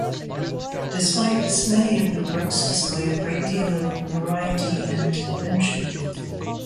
Despite this, many of the works display a great deal of variety and invention.